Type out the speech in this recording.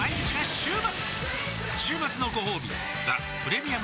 週末のごほうび「ザ・プレミアム・モルツ」